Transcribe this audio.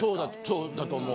そうだと思う。